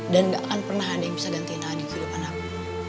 dan gak akan pernah ada yang bisa gantiin a di kehidupan aku